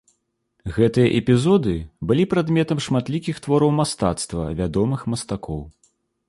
Гэтыя эпізоды былі прадметам шматлікіх твораў мастацтва вядомых мастакоў.